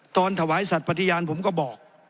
ถวายสัตว์ปฏิญาณผมก็บอก